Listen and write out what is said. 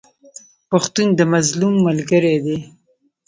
پښتون د مظلوم ملګری دی.